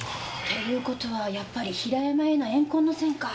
という事はやっぱり平山への怨恨のセンか。